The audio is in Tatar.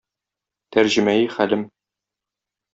Тәрҗемәи хәлем